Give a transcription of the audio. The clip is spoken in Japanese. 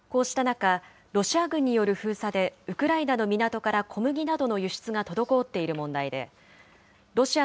こうした中、ロシア軍による封鎖でウクライナの港から小麦などの輸出が滞っている問題で、ロシア